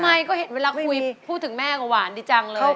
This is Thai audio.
ไม่ก็เห็นเวลาคุยพูดถึงแม่ก็หวานดีจังเลย